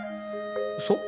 そう？